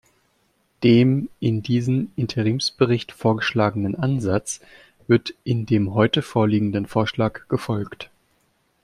Dem in diesem Interimsbericht vorgeschlagenen Ansatz wird in dem heute vorliegenden Vorschlag gefolgt.